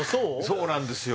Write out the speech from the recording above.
そうなんですよ